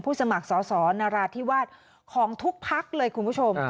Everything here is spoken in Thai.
ผู้สมัครสอบนราธิวาสของทุกภักดิ์เลยคุณผู้ชม